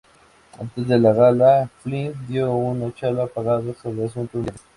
Antes de la gala, Flynn dio una charla pagada sobre asuntos mundiales.